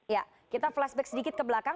ya kita flashback sedikit ke belakang